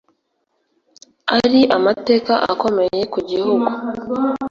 ari amateka akomeye ku gihugu